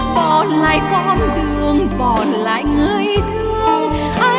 bỏ lại con đường bỏ lại người thương